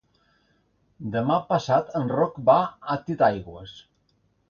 Demà passat en Roc va a Titaigües.